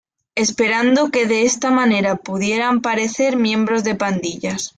Esperando que de esta manera pudieran parecer miembros de pandillas.